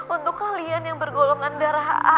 untuk kalian yang bergolongan darah